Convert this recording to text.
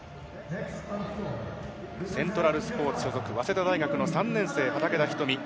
セントラルスポーツ所属、早稲田大学の３年生、畠田瞳。